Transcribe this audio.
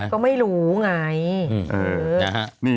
ก็ไม่รู้ไง